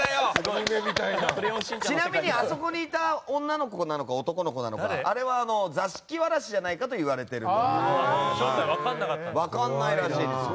ちなみにあそこにいた女の子なのか男の子なのかあれは座敷童じゃないかと言われているんです。